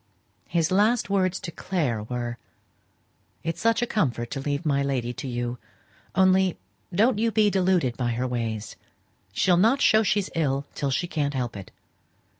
His last words to Clare were "It's such a comfort to leave my lady to you; only don't you be deluded by her ways. She'll not show she's ill till she can't help it.